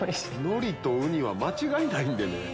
のりとウニは間違いないんでね。